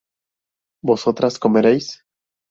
vosotras comeréis